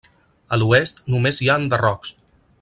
A l'oest només hi ha enderrocs.